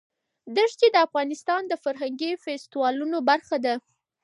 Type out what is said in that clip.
دښتې د افغانستان د فرهنګي فستیوالونو برخه ده.